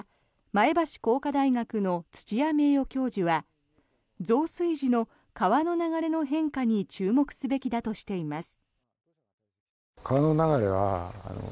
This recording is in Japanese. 前橋工科大学の土屋名誉教授は増水時の川の流れの変化に注目すべきだとしています。